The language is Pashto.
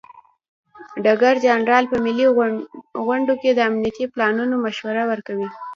ډګر جنرال په ملي غونډو کې د امنیتي پلانونو مشوره ورکوي.